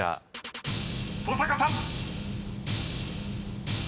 ［登坂さん］